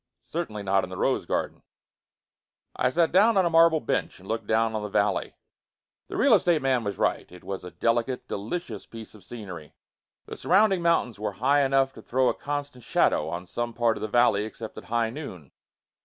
Certainly not in the rose garden. I sat down on a marble bench and looked down on the valley. The real estate man was right. It was a delicate, delicious piece of scenery. The surrounding mountains were high enough to throw a constant shadow on some part of the valley except at high noon.